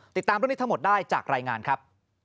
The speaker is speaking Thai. ติดตามเรื่องนี้ทั้งหมดได้จากรายงานครับ